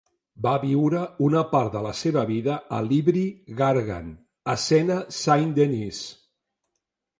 Va viure una part de la seva vida a Livry-Gargan, a Sena Saint-Denis.